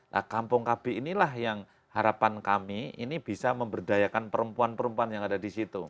nah kampung kb inilah yang harapan kami ini bisa memberdayakan perempuan perempuan yang ada di situ